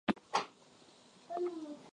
Kuna mikoa inayolima viazi lishe Tanzania